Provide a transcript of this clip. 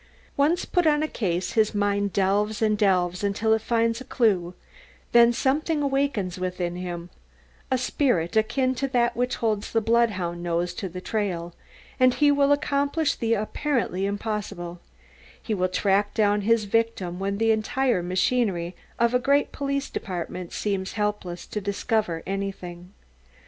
Once put on a case his mind delves and delves until it finds a clue, then something awakes within him, a spirit akin to that which holds the bloodhound nose to trail, and he will accomplish the apparently impossible, he will track down his victim when the entire machinery of a great police department seems helpless to discover anything.